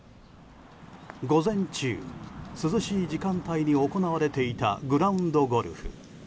午前中、涼しい時間帯に行われていたグラウンドゴルフ。